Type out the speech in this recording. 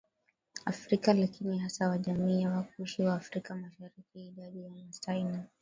Afrika lakini hasa wa jamii ya Wakushi wa Afrika MasharikiIdadi ya Wamasai wa